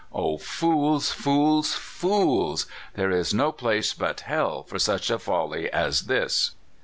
O fools, fools, fools! there is no place but hell for such a folly as this!"